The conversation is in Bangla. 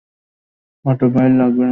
অটোপাইলট লাগবে না।